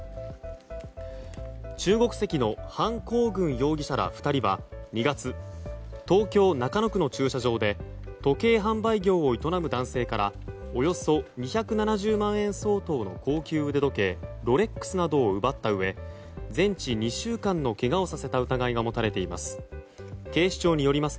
中国籍のハン・コウグン容疑者ら２人は２月、東京・中野区の駐車場で時計販売業を営む男性からおよそ２７０万円相当の高級腕時計ロレックスなどを奪ったうえ全治２週間のけがをさせた疑いが持たれています。